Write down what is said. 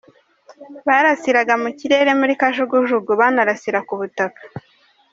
Barasiraga mu kirere muri kajugujugu banarasira ku butaka.